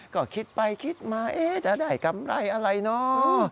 ก็คิดไปคิดมาจะได้กำไรอะไรเนาะ